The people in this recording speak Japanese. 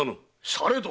されど！